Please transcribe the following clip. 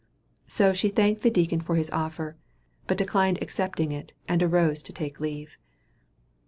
So she thanked the deacon for his offer, but declined accepting it, and arose to take leave.